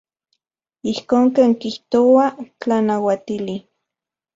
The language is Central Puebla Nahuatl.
Ijkon ken kijtoa tlanauatili.